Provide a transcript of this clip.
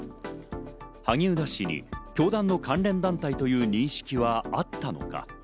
萩生田氏に教団の関連団体という認識はあったのか？